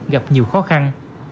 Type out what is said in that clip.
gặp nhiều khó khăn